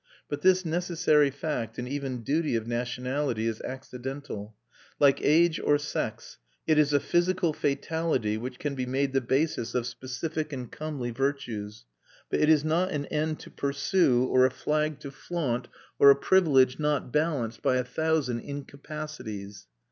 But this necessary fact and even duty of nationality is accidental; like age or sex it is a physical fatality which can be made the basis of specific and comely virtues; but it is not an end to pursue or a flag to flaunt or a privilege not balanced by a thousand incapacities.